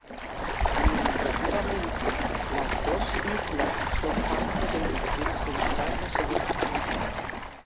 Administrativamente, las dos islas son parte del Distrito Central y Occidental.